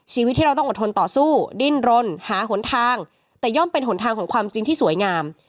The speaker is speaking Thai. ชีวิตที่เราต้องอดทนต่อสู้ดิ้นรนหาหนทางแต่ย่อมเป็นหนทางของความจริงที่สวยงาม